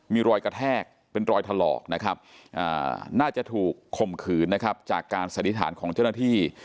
มีรอยกระแทกเป็นรอยถลอกน่าจะถูกคมขืนจากการสัดภาษณ์ของเจ้าหน้าที่